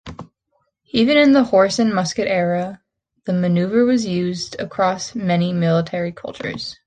Even in the horse-and-musket era, the manoeuvre was used across many military cultures.